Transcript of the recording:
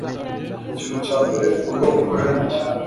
ikintu cya mbere ugomba gukora ni iki